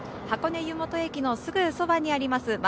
箱根湯本駅のすぐそばにあります